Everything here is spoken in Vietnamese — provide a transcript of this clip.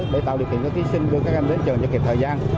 để tạo điều kiện cho thí sinh đưa các anh đến trường cho kịp thời gian